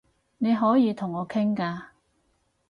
你可以同我傾㗎